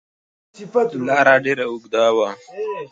هغې وویل چې ما ته د مرستې اړتیا ده